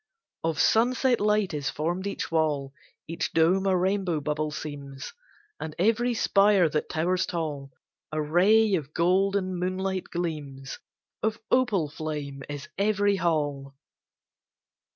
Of sunset light is formed each wall; Each dome a rainbow bubble seems; And every spire that towers tall A ray of golden moonlight gleams; Of opal flame is every hall.